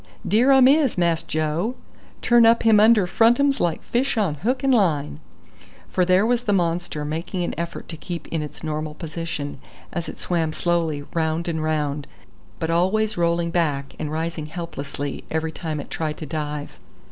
"Dere um is, Mass Joe; turn up him under frontums like fis on hook an' line." For there was the monster making an effort to keep in its normal position, as it swam slowly round and round, but always rolling back, and rising helplessly every time it tried to dive.